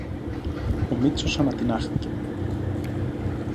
Ο Μήτσος ανατινάχθηκε.